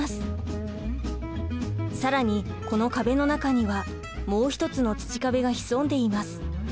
更にこの壁の中にはもう一つの土壁が潜んでいます。